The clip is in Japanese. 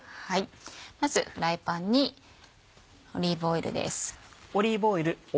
まずフライパンにオリーブオイルです。